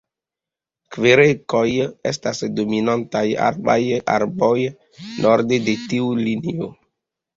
Kverkoj estas dominantaj arbaraj arboj norde de tiu linio.